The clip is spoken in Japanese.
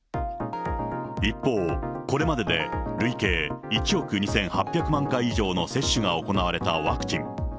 一方、これまでで累計１億２８００万回以上の接種が行われたワクチン。